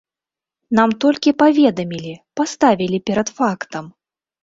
Нам толькі паведамілі, паставілі перад фактам.